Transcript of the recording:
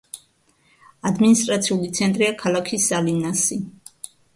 ადმინისტრაციული ცენტრია ქალაქი სალინასი.